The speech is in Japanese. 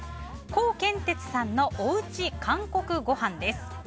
コウケンテツさんのおうち韓国ごはんです。